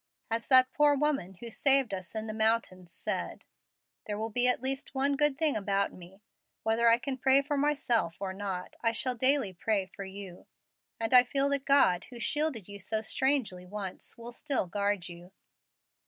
As that poor woman who saved us in the mountains said, 'There will at least be one good thing about me. Whether I can pray for myself or not, I shall daily pray for you'; and I feel that God who shielded you so strangely once, will still guard you.